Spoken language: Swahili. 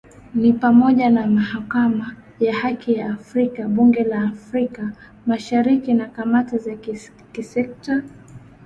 ni pamoja na Mahakama ya Haki ya Afrika Bunge la Afrika Mashariki na kamati za kisekta